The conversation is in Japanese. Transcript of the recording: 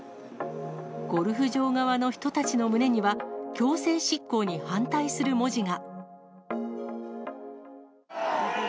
ゴルフ場側の人たちの胸には、強制執行に反対する文字が。